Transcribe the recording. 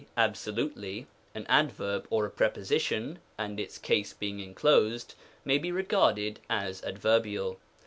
dvac absolutely, an adverb, or a preposition and its case being enclosed, may be regarded as adverbial.